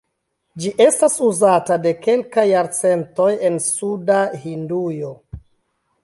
Ĝi estas uzata de kelkaj jarcentoj en suda Hindujo.